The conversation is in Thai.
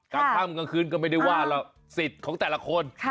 กลางค่ำกลางคืนก็ไม่ได้ว่าหรอกสิทธิ์ของแต่ละคน